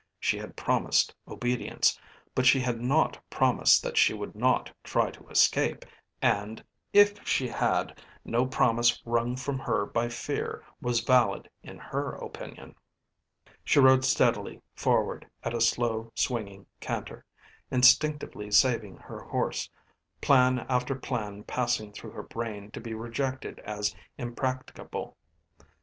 She had promised obedience, but she had not promised that she would not try to escape, and, if she had, no promise wrung from her by fear was valid in her opinion. She rode steadily forward at a slow, swinging canter, instinctively saving her horse, plan after plan passing through her brain to be rejected as impracticable.